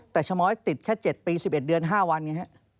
แต่ชะม้อยติดแค่๗ปี๑๑เดือน๕วันไงฮะ